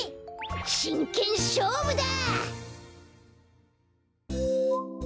しんけんしょうぶだ！